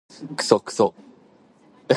クソクソ